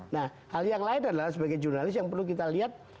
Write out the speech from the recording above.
nah hal yang lain adalah sebagai jurnalis yang perlu kita lihat